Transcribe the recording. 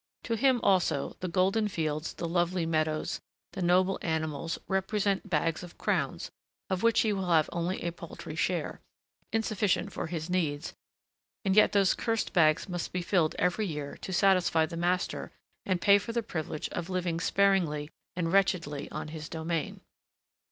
To him also the golden fields, the lovely meadows, the noble animals, represent bags of crowns, of which he will have only a paltry share, insufficient for his needs, and yet those cursed bags must be filled every year to satisfy the master and pay for the privilege of living sparingly and wretchedly on his domain.